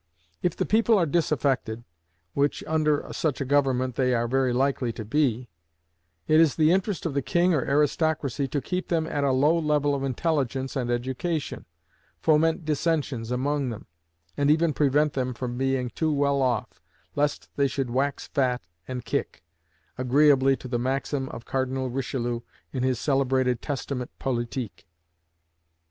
If the people are disaffected, which under such a government they are very likely to be, it is the interest of the king or aristocracy to keep them at a low level of intelligence and education, foment dissensions among them, and even prevent them from being too well off, lest they should "wax fat, and kick," agreeably to the maxim of Cardinal Richelieu in his celebrated "Testament Politique."